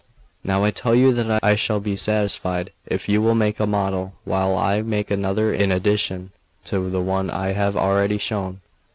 Now I tell you that I shall be satisfied if you will make a model, while I make another in addition to the one I have already shown.